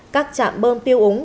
các chạm bơm tiêu úng